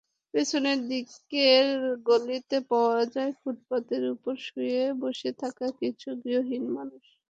পেছন দিকের গলিতে পাওয়া যায় ফুটপাতের ওপর শুয়ে-বসে থাকা কিছু গৃহহীন মানুষ।